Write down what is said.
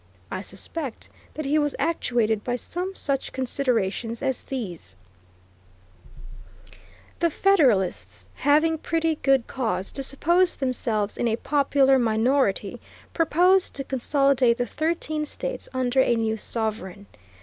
I suspect that he was actuated by some such considerations as these: The Federalists, having pretty good cause to suppose themselves in a popular minority, purposed to consolidate the thirteen states under a new sovereign.